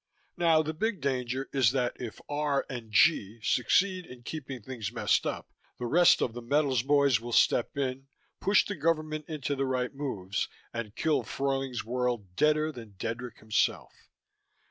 Now the big danger is that if R. and G. succeed in keeping things messed up the rest of the metals boys will step in, push the government into the right moves, and kill Fruyling's World deader than Dedrick himself.